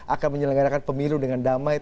akan menyelenggarakan pemilu dengan damai